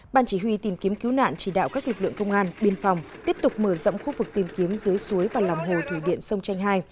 ban chỉ huy tìm kiếm cứu nạn chỉ đạo các lực lượng công an biên phòng tiếp tục mở rộng khu vực tìm kiếm dưới suối và lòng hồ thủy điện sông tranh hai